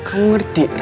aku ngerti ra